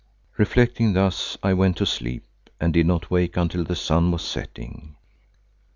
Reflecting thus I went to sleep and did not wake until the sun was setting.